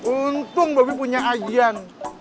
untung bopi punya ajan